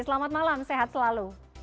selamat malam sehat selalu